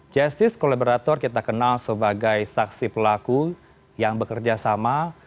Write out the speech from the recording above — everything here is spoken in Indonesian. justice collaborator kita kenal sebagai saksi pelaku yang bekerja sama